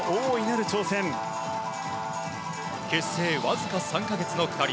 結成わずか３か月の２人。